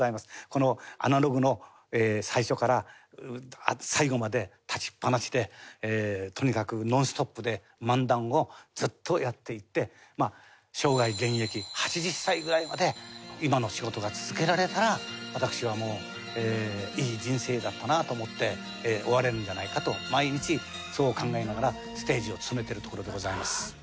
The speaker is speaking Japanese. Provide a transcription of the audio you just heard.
このアナログの最初から最後まで立ちっぱなしでとにかくノンストップで漫談をずっとやっていってまあ生涯現役８０歳ぐらいまで今の仕事が続けられたら私はいい人生だったなと思って終われるんじゃないかと毎日そう考えながらステージを努めているところでございます。